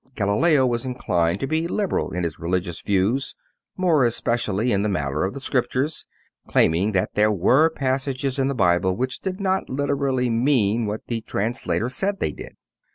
Galileo was inclined to be liberal in his religious views, more especially in the matter of the Scriptures, claiming that there were passages in the Bible which did not literally mean what the translator said they did.